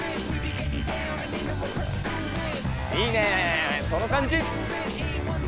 いいねその感じ！